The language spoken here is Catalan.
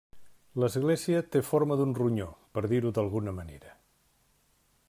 L'església té forma d'un ronyó, per dir-ho d'alguna manera.